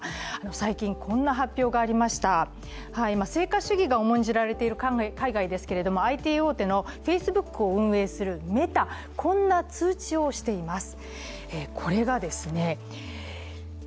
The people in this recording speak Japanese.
最近こんな発表がありました、今、成果主義が重んじられている海外ですけどＩＴ大手のＦａｃｅｂｏｏｋを運営するメタ、こんな通知をしています。